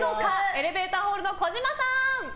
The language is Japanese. エレベーターホールの児嶋さん！